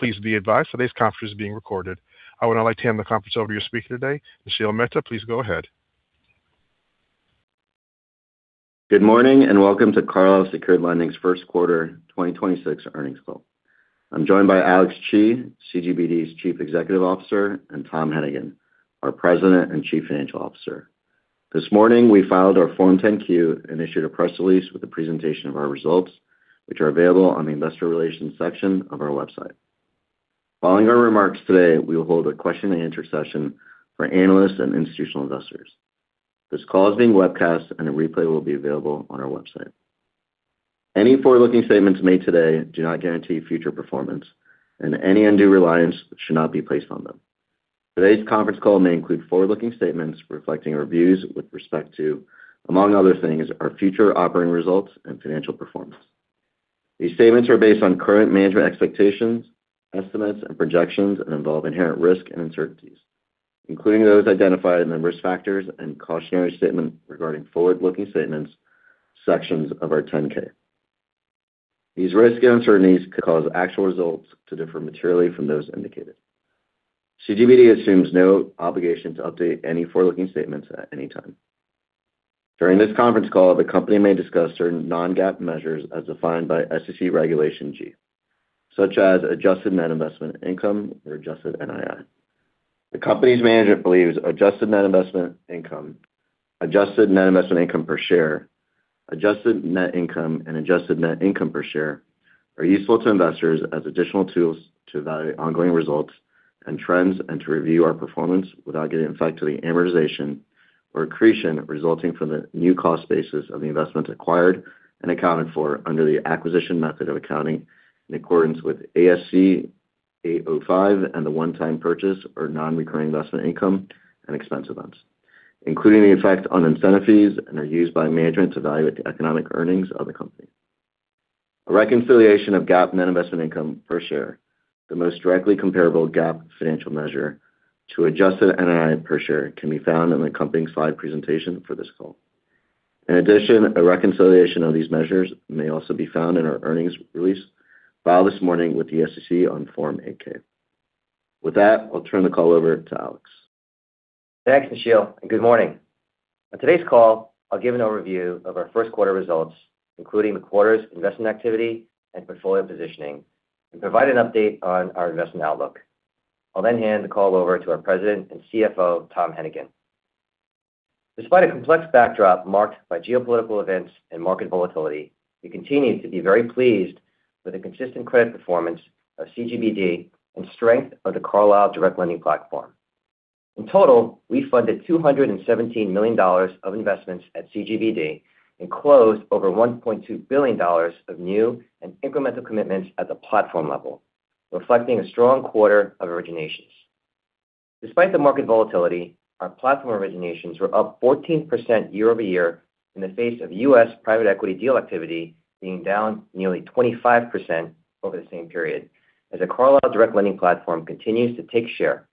Please be advised today's conference is being recorded. I would now like to hand the conference over to your speaker today, Nishil Mehta. Please go ahead. Good morning, and welcome to Carlyle Secured Lending's First Quarter 2026 Earnings Call. I'm joined by Alex Chi, CGBD's Chief Executive Officer, and Tom Hennigan, our President and Chief Financial Officer. This morning, we filed our Form 10-Q and issued a press release with the presentation of our results, which are available on the Investor Relations section of our website. Following our remarks today, we will hold a question and answer session for analysts and institutional investors. This call is being webcast, and a replay will be available on our website. Any forward-looking statements made today do not guarantee future performance, and any undue reliance should not be placed on them. Today's conference call may include forward-looking statements reflecting our views with respect to, among other things, our future operating results and financial performance. These statements are based on current management expectations, estimates, and projections and involve inherent risk and uncertainties, including those identified in the Risk Factors and Cautionary Statement regarding Forward-Looking Statements sections of our Form 10-K. These risks and uncertainties could cause actual results to differ materially from those indicated. CGBD assumes no obligation to update any forward-looking statements at any time. During this conference call, the company may discuss certain non-GAAP measures as defined by SEC Regulation G, such as Adjusted Net Investment Income or Adjusted NII. The company's management believes Adjusted Net Investment Income, Adjusted Net Investment Income per share, Adjusted Net Income, and Adjusted Net Income per share are useful to investors as additional tools to evaluate ongoing results and trends and to review our performance without giving effect to the amortization or accretion resulting from the new cost basis of the investment acquired and accounted for under the acquisition method of accounting in accordance with ASC 805 and the one-time purchase or non-recurring investment income and expense events, including the effect on incentive fees, and are used by management to evaluate the economic earnings of the company. A reconciliation of GAAP Net Investment Income per share, the most directly comparable GAAP financial measure to Adjusted NII per share, can be found in the accompanying slide presentation for this call. A reconciliation of these measures may also be found in our earnings release filed this morning with the SEC on Form 8-K. With that, I'll turn the call over to Alex. Thanks, Nishil, and good morning. On today's call, I'll give an overview of our first quarter results, including the quarter's investment activity and portfolio positioning, and provide an update on our investment outlook. I'll hand the call over to our President and CFO, Tom Hennigan. Despite a complex backdrop marked by geopolitical events and market volatility, we continue to be very pleased with the consistent credit performance of CGBD and strength of the Carlyle direct lending platform. In total, we funded $217 million of investments at CGBD and closed over $1.2 billion of new and incremental commitments at the platform level, reflecting a strong quarter of originations. Despite the market volatility, our platform originations were up 14% year-over-year in the face of U.S. private equity deal activity being down nearly 25% over the same period as the Carlyle direct lending platform continues to take share.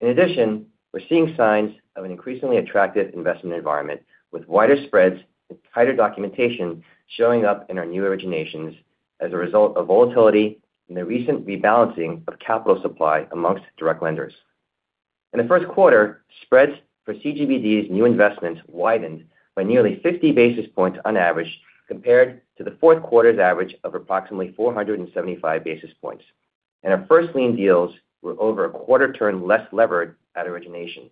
In addition, we're seeing signs of an increasingly attractive investment environment with wider spreads and tighter documentation showing up in our new originations as a result of volatility and the recent rebalancing of capital supply amongst direct lenders. In the first quarter, spreads for CGBD's new investments widened by nearly 50 basis points on average compared to the fourth quarter's average of approximately 475 basis points. Our first lien deals were over a quarter turn less levered at origination.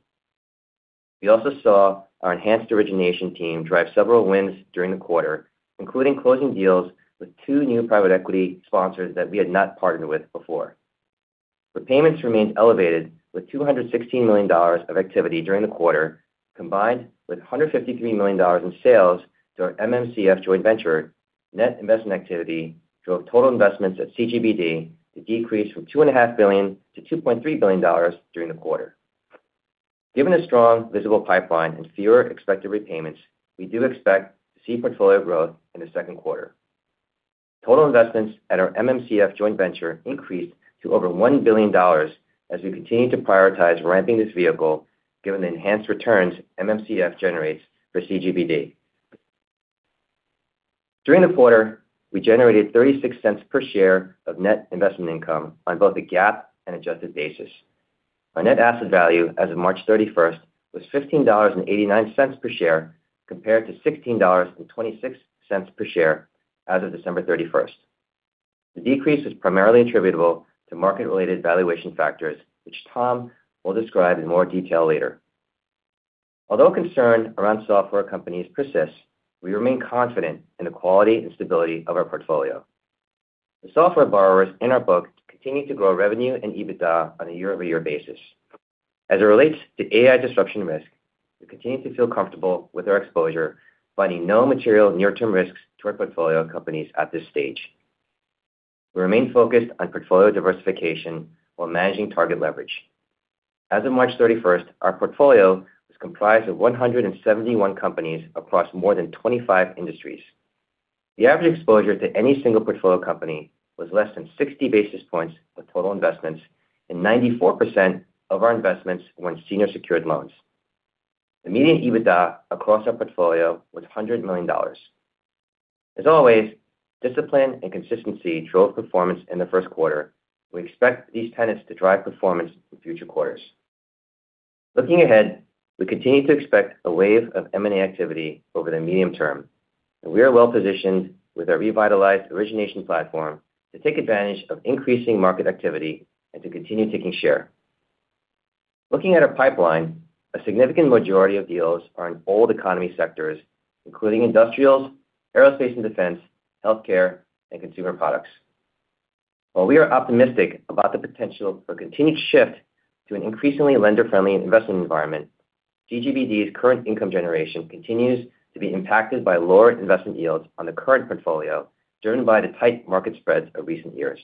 We also saw our enhanced origination team drive several wins during the quarter, including closing deals with two new private equity sponsors that we had not partnered with before. Repayments remained elevated with $216 million of activity during the quarter, combined with $153 million in sales to our MMCF joint venture. Net investment activity drove total investments at CGBD to decrease from $2.5 billion to $2.3 billion during the quarter. Given the strong visible pipeline and fewer expected repayments, we do expect to see portfolio growth in the second quarter. Total investments at our MMCF joint venture increased to over $1 billion as we continue to prioritize ramping this vehicle given the enhanced returns MMCF generates for CGBD. During the quarter, we generated $0.36 per share of net investment income on both a GAAP and adjusted basis. Our net asset value as of March 31st was $15.89 per share compared to $16.26 per share as of December 31st. The decrease was primarily attributable to market-related valuation factors, which Tom will describe in more detail later. Although concern around software companies persists, we remain confident in the quality and stability of our portfolio. The software borrowers in our book continue to grow revenue and EBITDA on a year-over-year basis. As it relates to AI disruption risk, we continue to feel comfortable with our exposure, finding no material near-term risks to our portfolio companies at this stage. We remain focused on portfolio diversification while managing target leverage. As of March 31st, our portfolio was comprised of 171 companies across more than 25 industries. The average exposure to any single portfolio company was less than 60 basis points of total investments, and 94% of our investments were in senior secured loans. The median EBITDA across our portfolio was $100 million. As always, discipline and consistency drove performance in the first quarter. We expect these tenets to drive performance in future quarters. Looking ahead, we continue to expect a wave of M&A activity over the medium term, and we are well-positioned with our revitalized origination platform to take advantage of increasing market activity and to continue taking share. Looking at our pipeline, a significant majority of deals are in old economy sectors, including industrials, aerospace and defense, healthcare, and consumer products. While we are optimistic about the potential for continued shift to an increasingly lender-friendly investment environment, CGBD's current income generation continues to be impacted by lower investment yields on the current portfolio, driven by the tight market spreads of recent years.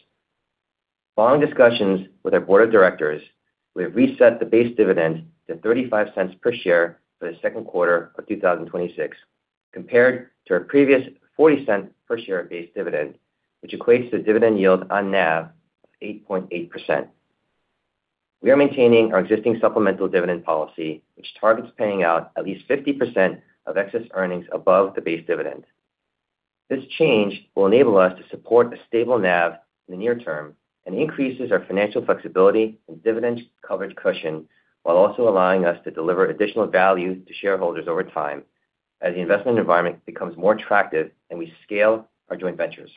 Following discussions with our board of directors, we have reset the base dividend to $0.35 per share for the second quarter of 2026, compared to our previous $0.40 per share base dividend, which equates to a dividend yield on NAV of 8.8%. We are maintaining our existing supplemental dividend policy, which targets paying out at least 50% of excess earnings above the base dividend. This change will enable us to support a stable NAV in the near term and increases our financial flexibility and dividend coverage cushion, while also allowing us to deliver additional value to shareholders over time as the investment environment becomes more attractive and we scale our joint ventures.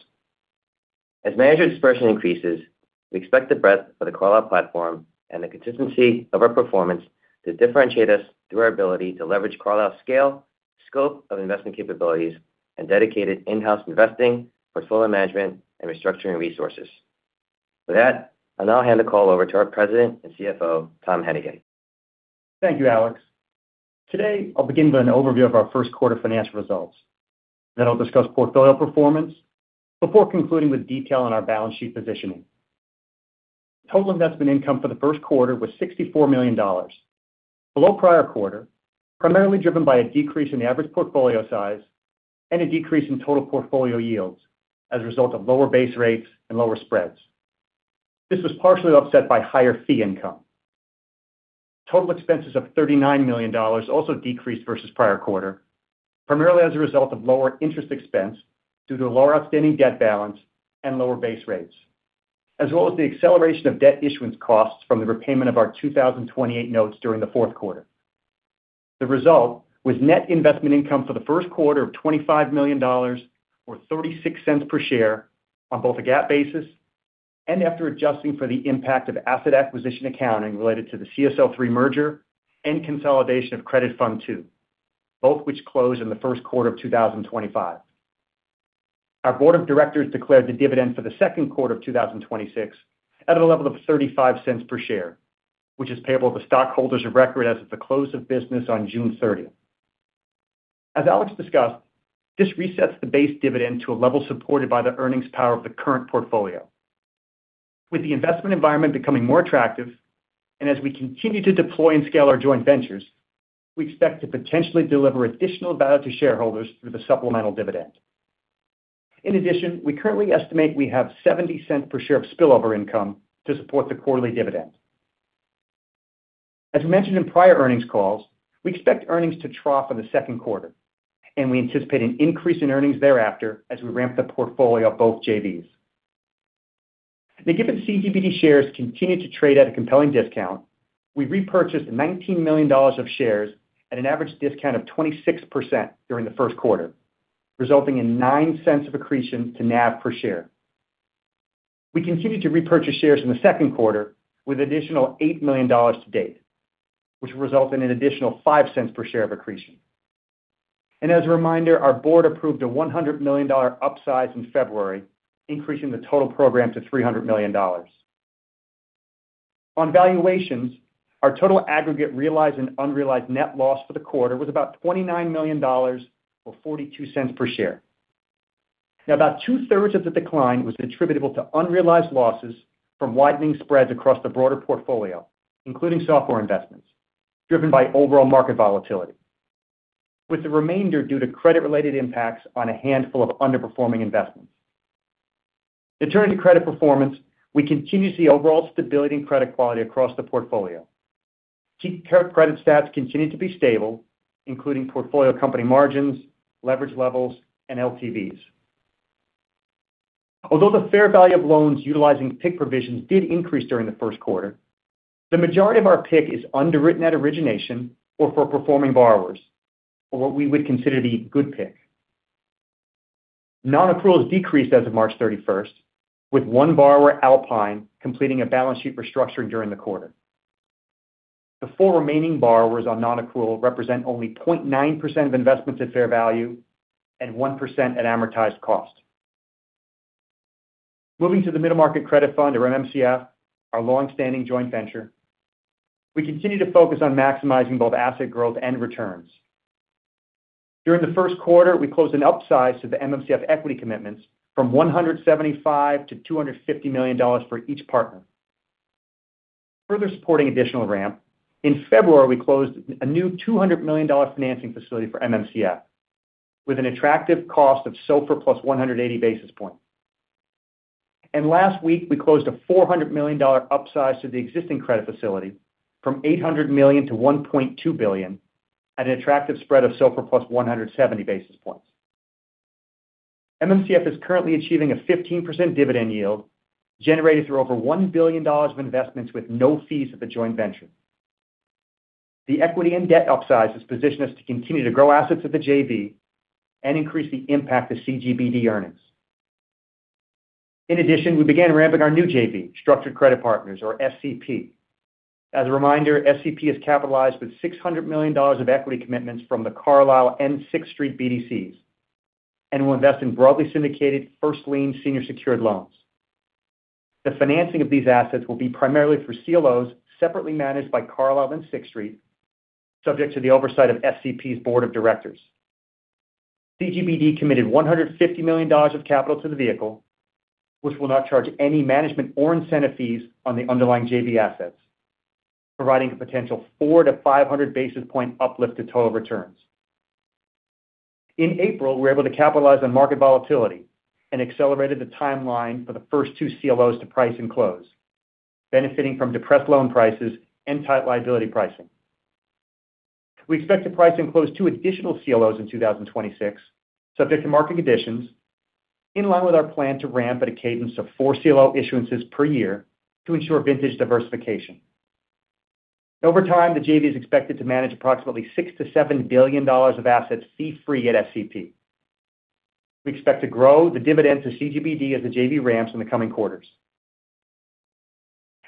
As manager dispersion increases, we expect the breadth of the Carlyle platform and the consistency of our performance to differentiate us through our ability to leverage Carlyle's scale, scope of investment capabilities, and dedicated in-house investing, portfolio management, and restructuring resources. With that, I'll now hand the call over to our President and CFO, Tom Hennigan. Thank you, Alex. Today, I'll begin with an overview of our first quarter financial results. I'll discuss portfolio performance before concluding with detail on our balance sheet positioning. Total investment income for the first quarter was $64 million. Below prior quarter, primarily driven by a decrease in the average portfolio size and a decrease in total portfolio yields as a result of lower base rates and lower spreads. This was partially offset by higher fee income. Total expenses of $39 million also decreased versus prior quarter, primarily as a result of lower interest expense due to a lower outstanding debt balance and lower base rates, as well as the acceleration of debt issuance costs from the repayment of our 2028 notes during the fourth quarter. The result was net investment income for the first quarter of $25 million or $0.36 per share on both a GAAP basis and after adjusting for the impact of asset acquisition accounting related to the CSL III merger and consolidation of Credit Fund II, both which closed in the first quarter of 2025. Our board of directors declared the dividend for the second quarter of 2026 at a level of $0.35 per share, which is payable to stockholders of record as of the close of business on June 30th. As Alex discussed, this resets the base dividend to a level supported by the earnings power of the current portfolio. With the investment environment becoming more attractive and as we continue to deploy and scale our joint ventures, we expect to potentially deliver additional value to shareholders through the supplemental dividend. In addition, we currently estimate we have $0.70 per share of spillover income to support the quarterly dividend. As we mentioned in prior earnings calls, we expect earnings to trough in the second quarter, and we anticipate an increase in earnings thereafter as we ramp the portfolio of both JVs. Given CGBD shares continue to trade at a compelling discount, we repurchased $19 million of shares at an average discount of 26% during the first quarter, resulting in $0.09 of accretion to NAV per share. We continue to repurchase shares in the second quarter with additional $8 million to date, which will result in an additional $0.05 per share of accretion. As a reminder, our board approved a $100 million upsize in February, increasing the total program to $300 million. On valuations, our total aggregate realized and unrealized net loss for the quarter was about $29 million, or $0.42 per share. Now, about 2/3 of the decline was attributable to unrealized losses from widening spreads across the broader portfolio, including software investments, driven by overall market volatility, with the remainder due to credit-related impacts on a handful of underperforming investments. Now turning to credit performance, we continue to see overall stability and credit quality across the portfolio. Key credit stats continue to be stable, including portfolio company margins, leverage levels, and LTVs. Although the fair value of loans utilizing PIK provisions did increase during the first quarter, the majority of our PIK is underwritten at origination or for performing borrowers, or what we would consider the good PIK. Non-approvals decreased as of March 31st, with one borrower, Alpine, completing a balance sheet restructuring during the quarter. The four remaining borrowers on non-accrual represent only 0.9% of investments at fair value and 1% at amortized cost. Moving to the Middle Market Credit Fund, or MMCF, our long-standing joint venture, we continue to focus on maximizing both asset growth and returns. During the 1st quarter, we closed an upsize to the MMCF equity commitments from $175 million-$250 million for each partner. Further supporting additional ramp, in February, we closed a new $200 million financing facility for MMCF with an attractive cost of SOFR +180 basis points. Last week, we closed a $400 million upsize to the existing credit facility from $800 million-$1.2 billion at an attractive spread of SOFR +170 basis points. MMCF is currently achieving a 15% dividend yield generated through over $1 billion of investments with no fees at the joint venture. The equity and debt upsides position us to continue to grow assets at the JV and increase the impact to CGBD earnings. In addition, we began ramping our new JV, Structured Credit Partners or SCP. As a reminder, SCP is capitalized with $600 million of equity commitments from the Carlyle and Sixth Street BDCs, and will invest in broadly syndicated first lien senior secured loans. The financing of these assets will be primarily through CLOs separately managed by Carlyle and Sixth Street, subject to the oversight of SCP's board of directors. CGBD committed $150 million of capital to the vehicle, which will not charge any management or incentive fees on the underlying JV assets, providing a potential 400 basis points-500 basis point uplift to total returns. In April, we were able to capitalize on market volatility and accelerated the timeline for the first two CLOs to price and close, benefiting from depressed loan prices and tight liability pricing. We expect to price and close two additional CLOs in 2026, subject to market conditions, in line with our plan to ramp at a cadence of four CLO issuances per year to ensure vintage diversification. Over time, the JV is expected to manage approximately $6 billion-$7 billion of assets fee-free at SCP. We expect to grow the dividend to CGBD as the JV ramps in the coming quarters.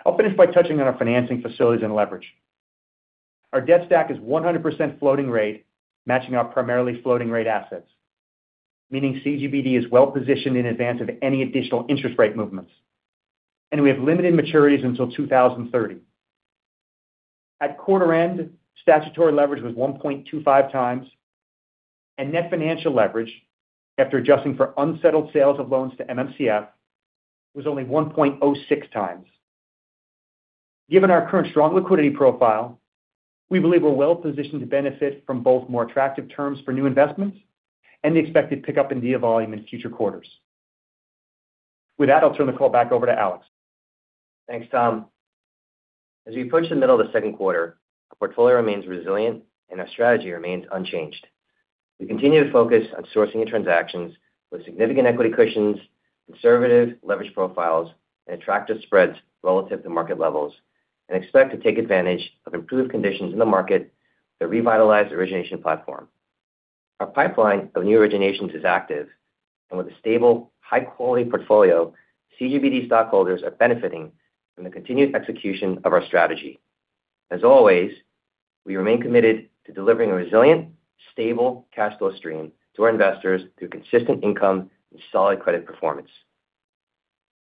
I'll finish by touching on our financing facilities and leverage. Our debt stack is 100% floating rate, matching our primarily floating rate assets, meaning CGBD is well-positioned in advance of any additional interest rate movements, and we have limited maturities until 2030. At quarter end, statutory leverage was 1.25x, and net financial leverage, after adjusting for unsettled sales of loans to MMCF, was only 1.06x. Given our current strong liquidity profile, we believe we're well positioned to benefit from both more attractive terms for new investments and the expected pickup in deal volume in future quarters. With that, I'll turn the call back over to Alex. Thanks, Tom. As we approach the middle of the second quarter, our portfolio remains resilient and our strategy remains unchanged. We continue to focus on sourcing transactions with significant equity cushions, conservative leverage profiles, and attractive spreads relative to market levels, and expect to take advantage of improved conditions in the market with a revitalized origination platform. Our pipeline of new originations is active, and with a stable, high-quality portfolio, CGBD stockholders are benefiting from the continued execution of our strategy. As always, we remain committed to delivering a resilient, stable cash flow stream to our investors through consistent income and solid credit performance.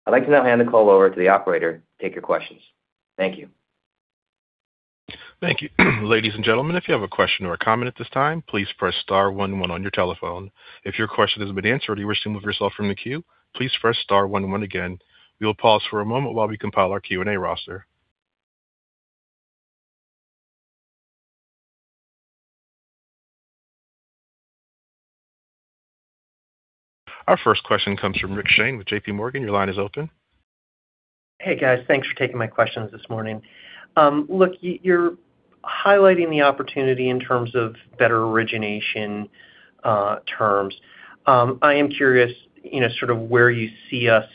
I'd like to now hand the call over to the operator to take your questions. Thank you. Thank you. Ladies and gentlemen, if you have a question or a comment at this time, please press star one one on your telephone. If your question has been answered or you wish to remove yourself from the queue, please press star one one again. We will pause for a moment while we compile our Q&A roster. Our first question comes from Richard Shane with JPMorgan. Your line is open. Hey, guys. Thanks for taking my questions this morning. Look, you're highlighting the opportunity in terms of better origination terms. I am curious, you know, sort of where you see us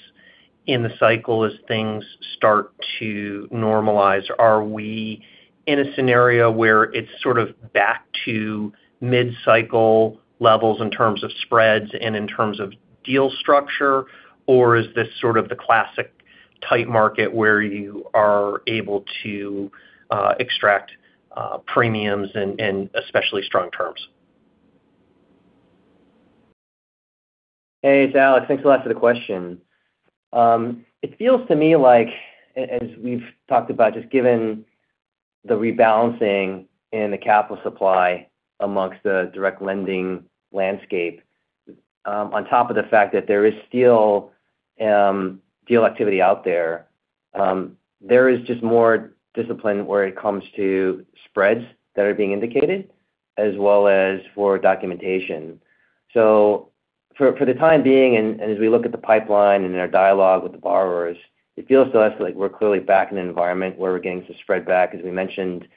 in the cycle as things start to normalize. Are we in a scenario where it's sort of back to mid-cycle levels in terms of spreads and in terms of deal structure? Is this sort of the classic tight market where you are able to extract premiums and especially strong terms? Hey, it's Alex. Thanks a lot for the question. It feels to me like, as we've talked about, just given the rebalancing in the capital supply amongst the direct lending landscape, on top of the fact that there is still deal activity out there is just more discipline where it comes to spreads that are being indicated as well as for documentation. For the time being and as we look at the pipeline and our dialogue with the borrowers, it feels to us like we're clearly back in an environment where we're getting some spread back. As we mentioned,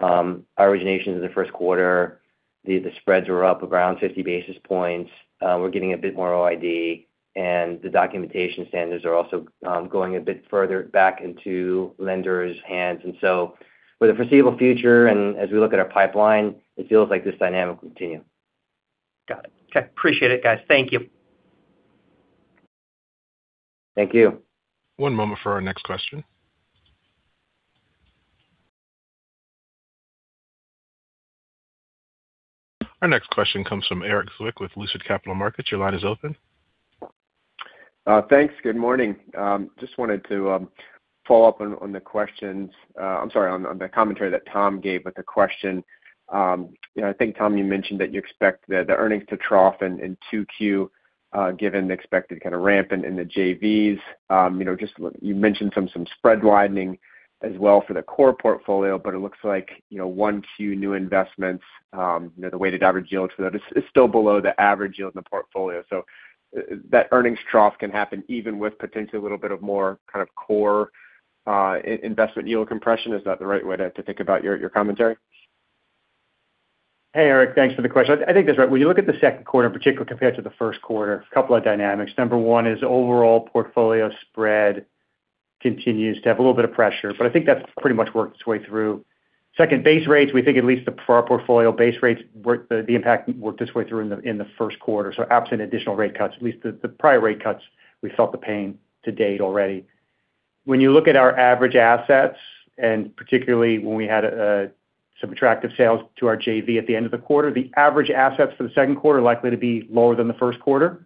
our originations in the first quarter, the spreads were up around 50 basis points. We're getting a bit more OID, and the documentation standards are also going a bit further back into lenders' hands. For the foreseeable future and as we look at our pipeline, it feels like this dynamic will continue. Got it. Okay. Appreciate it, guys. Thank you. Thank you. One moment for our next question. Our next question comes from Erik Zwick with Lucid Capital Markets. Your line is open. Thanks. Good morning. Just wanted to follow up on the questions, I'm sorry, on the commentary that Tom gave with the question. You know, I think, Tom, you mentioned that you expect earnings to trough in 2Q, given the expected kind of ramp in the JVs. You know, just you mentioned some spread widening as well for the core portfolio, but it looks like, you know, 1Q new investments, the weighted average yield to that is still below the average yield in the portfolio. That earnings trough can happen even with potentially a little bit of more kind of core investment yield compression, is that the right way to think about your commentary? Hey, Erik, thanks for the question. I think that's right. When you look at the second quarter, in particular compared to the first quarter, a couple of dynamics. Number one is overall portfolio spread continues to have a little bit of pressure. I think that's pretty much worked its way through. Second, base rates, we think at least for our portfolio base rates the impact worked its way through in the first quarter. Absent additional rate cuts, at least the prior rate cuts, we felt the pain to date already. When you look at our average assets, and particularly when we had some attractive sales to our JV at the end of the quarter, the average assets for the second quarter are likely to be lower than the first quarter.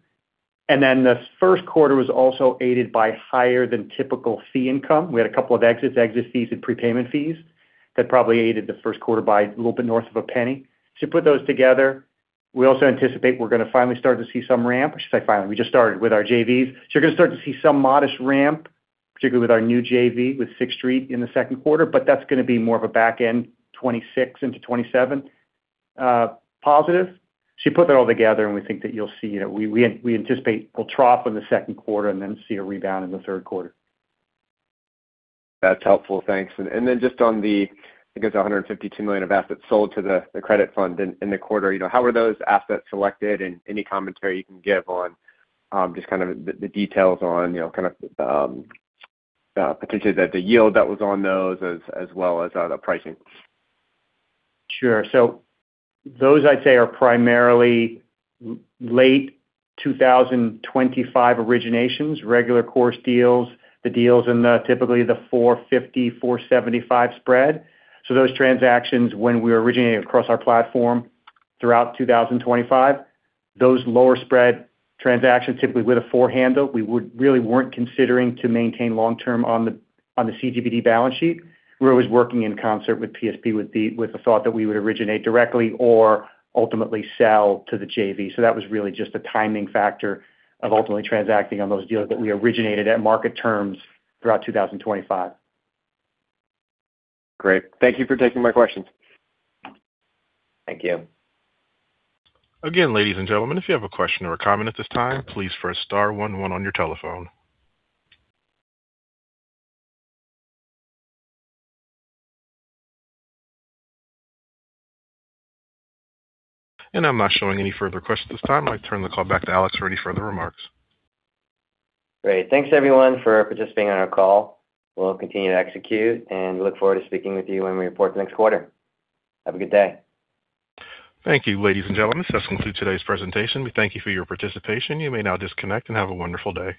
The first quarter was also aided by higher than typical fee income. We had a couple of exits, exit fees and prepayment fees that probably aided the first quarter by a little bit north of a penny. You put those together, we also anticipate we're gonna finally start to see some ramp. I say finally, we just started with our JVs. You're gonna start to see some modest ramp, particularly with our new JV with Sixth Street in the second quarter, but that's gonna be more of a back-end 2026 into 2027 positive. You put that all together, and we think that you'll see, you know we anticipate we'll trough in the second quarter and then see a rebound in the third quarter. That's helpful. Thanks. Just on the, I guess, the $152 million of assets sold to the credit fund in the quarter, you know, how were those assets selected? Any commentary you can give on, just kind of the details on, you know, kind of potentially the yield that was on those as well as the pricing. Sure. Those I'd say are primarily late 2025 originations, regular course deals, the deals in the typically 450, 475 spread. Those transactions when we originated across our platform throughout 2025, those lower spread transactions, typically with a four handle, we really weren't considering to maintain long-term on the CGBD balance sheet. We were always working in concert with PSP with the thought that we would originate directly or ultimately sell to the JV. That was really just a timing factor of ultimately transacting on those deals that we originated at market terms throughout 2025. Great. Thank you for taking my questions. Thank you. Again, ladies and gentlemen, if you have a question or a comment at this time, please press star one one on your telephone. I'm not showing any further questions at this time. I turn the call back to Alex for any further remarks. Great. Thanks, everyone, for participating on our call. We'll continue to execute, and we look forward to speaking with you when we report next quarter. Have a good day. Thank you. Ladies and gentlemen, this concludes today's presentation. We thank you for your participation. You may now disconnect and have a wonderful day.